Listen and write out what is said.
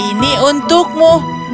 ibu lihat ini untukmu